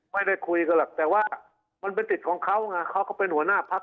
ไม่ได้คุยกันหรอกแต่ว่ามันเป็นสิทธิ์ของเขาไงเขาก็เป็นหัวหน้าพัก